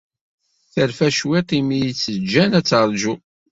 Terfa cwiṭ imi ay tt-jjan ad teṛju.